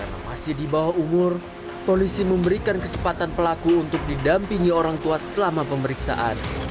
karena masih di bawah umur polisi memberikan kesempatan pelaku untuk didampingi orang tua selama pemeriksaan